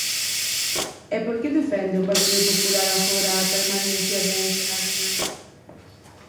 ¿E por que defende o Partido Popular agora a permanencia de Ence na ría?